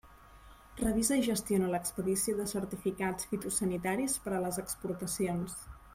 Revisa i gestiona l'expedició de certificats fitosanitaris per a les exportacions.